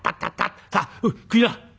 「さあおい食いな」。